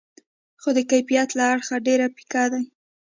خو د کیفیت له اړخه ډېر پیکه دي.